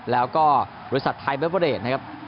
แล้วก็บริษัทไทยเบเวอเดทนะครับ